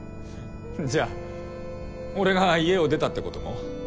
じゃあ俺が家を出たってことも？